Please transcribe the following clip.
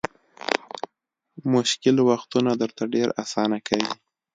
مشکل وختونه درته ډېر اسانه کوي.